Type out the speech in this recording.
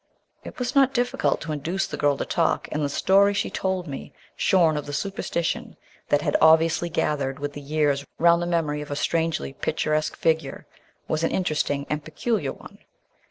It was not difficult to induce the girl to talk, and the story she told me, shorn of the superstition that had obviously gathered with the years round the memory of a strangely picturesque figure, was an interesting and peculiar one.